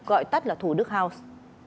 gọi tắt là thủ đức house